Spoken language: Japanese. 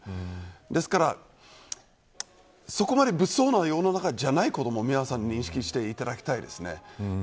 ですから、そこまで物騒な世の中じゃないことも認識していただきたいです。